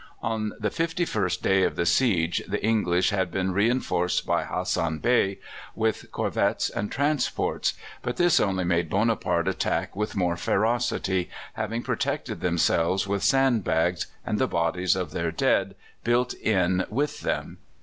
On the fifty first day of the siege the English had been reinforced by Hassan Bey with corvettes and transports; but this only made Bonaparte attack with more ferocity, having protected themselves with sand bags and the bodies of their dead built in with them.